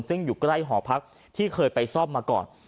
ซึ่งอยู่ใกล้หอพักที่เคยไปซ่อมมาก่อน